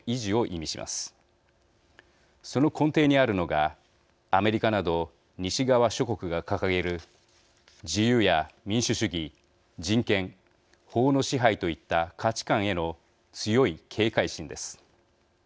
その根底にあるのがアメリカなど西側諸国が掲げる自由や民主主義人権法の支配といった価値観への強い警戒心です。